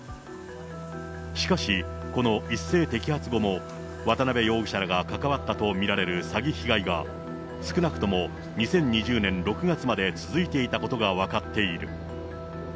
しかし、この一斉摘発後も、渡辺容疑者らが関わったと見られる詐欺被害が、少なくとも２０２０年６月まで続いていたことが分かっている。